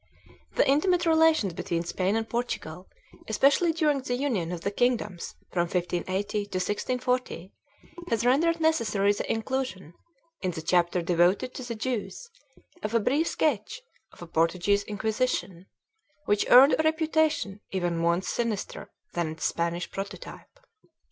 (v) vi PREFACE The intimate relations between Spain and Portugal, espe cially during the union of the kingdoms from 1580 to 1640, has rendered necessary the inclusion, in the chapter devoted to the Jews, of a brief sketch of the Portuguese Inquisition, which earned a reputation even more sinister than its Spanish proto type.